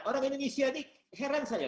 orang indonesia ini heran saya